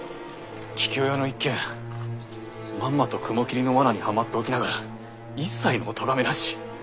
桔梗屋の一件まんまと雲霧の罠にはまっておきながら一切のお咎めなし。